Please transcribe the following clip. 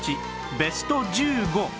ベスト１５